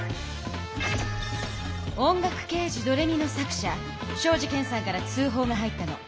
「おんがく刑事ドレミ」の作者東海林健さんから通ほうが入ったの。